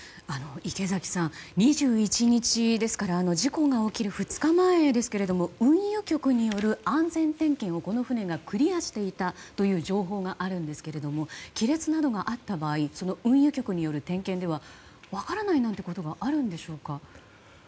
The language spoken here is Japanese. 池嵜さん、２１日事故が起きる２日前ですが運輸局による安全点検をこの船がクリアしていたという情報がありますが亀裂などがあった場合その運輸局による点検では分からないということがあるのでしょうか。